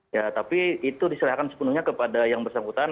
ya tapi itu diserahkan sepenuhnya kepada yang bersangkutan